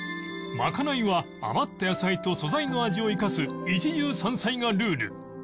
まかないは余った野菜と素材の味を生かす一汁三菜がルール